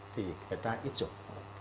thì người ta ít dùng